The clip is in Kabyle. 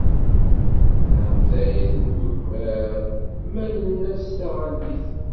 Tantayt n wegmar mmaln-as Tɣallit.